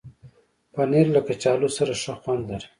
پنېر له کچالو سره ښه خوند لري.